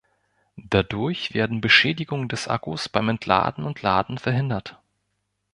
Dadurch werden Beschädigungen des Akkus beim Entladen und Laden verhindert.